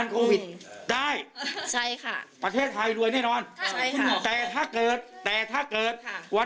ส่องการโควิดได้